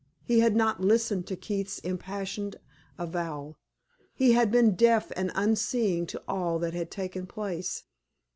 He had not listened to Keith's impassioned avowal; he had been deaf and unseeing to all that had taken place.